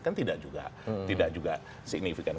kan tidak juga signifikan